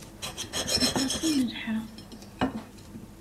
Aṭas i nelḥa.